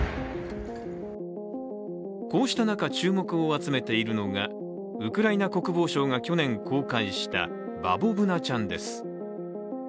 こうした中、注目を集めているのがウクライナ国防省が去年公開したバボブナちゃんです。